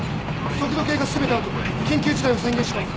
速度計が全てアウト緊急事態を宣言します。